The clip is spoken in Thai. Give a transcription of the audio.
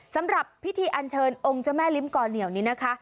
สำหรับพิธีอันเชิญองค์เจ้าแม่ลิ้มก่อเหนียวนี้นะคะ